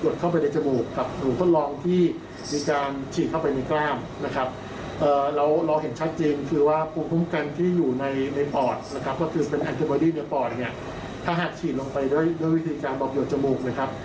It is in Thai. ด้วยวิธีการบอกหยดจมูกนะครับ